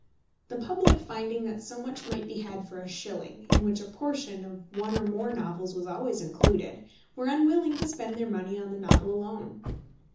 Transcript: The public finding that so much might be had for a shilling, in which a portion of one or more novels was always included, were unwilling to spend their money on the novel alone.